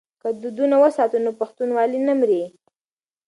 که دودونه وساتو نو پښتونوالي نه مري.